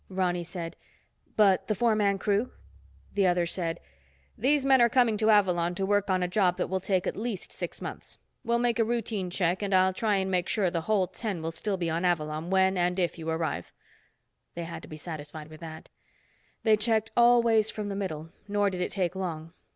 Ronny said, "But the four man crew?" The other said, "These men are coming to Avalon to work on a job that will take at least six months. We'll make a routine check, and I'll try and make sure the whole ten will still be on Avalon when and if you arrive." They had to be satisfied with that. They checked all ways from the middle, nor did it take long.